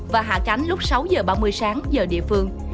và hạ cánh lúc sáu giờ ba mươi sáng giờ địa phương